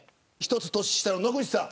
１つ年下の野口さん。